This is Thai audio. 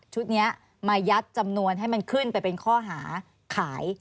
นี้มายัดจำนวนให้มันขึ้นไปเป็นข้อหาขาย